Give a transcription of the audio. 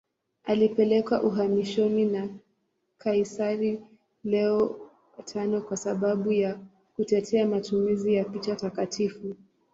Alipelekwa uhamishoni na kaisari Leo V kwa sababu ya kutetea matumizi ya picha takatifu.